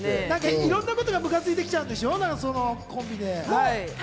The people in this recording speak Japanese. いろんなことがムカついてきちゃったりするんでしょうコンビで。